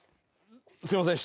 すいません。